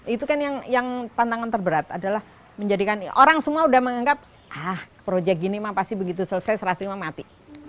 itu kan yang tantangan terberat adalah menjadikan orang semua sudah menganggap proyek ini pasti begitu selesai serah timah mati